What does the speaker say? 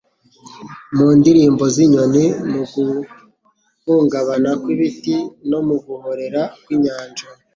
Mu ndirimbo z’inyoni, mu guhungabana kw’ibiti no mu guhorera kw’inyanja